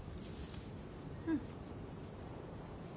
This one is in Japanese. うん。